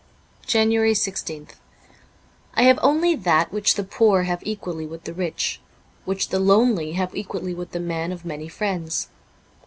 '' 16 JANUARY 1 6th * T HAVE only that which the poor have equally 1 with the rich ; which the lonely have equally with the man of many friends.